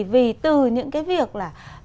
vì từ những cái việc là